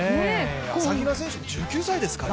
朝比奈選手も１９歳ですから。